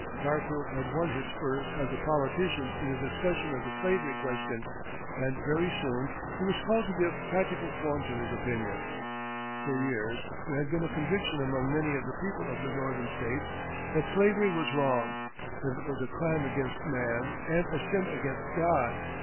Garfield had won his spurs as a politician in the discussion of the slavery question, and very soon he was called to give practical form to his opinions. For years there had been a conviction among many of the people of the Northern States that slavery was wrong, that it was a crime against man and a sin against God.